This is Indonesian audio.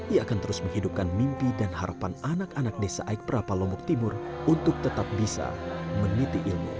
ia akan terus menghidupkan mimpi dan harapan anak anak desa aik prapa lombok timur untuk tetap bisa meniti ilmu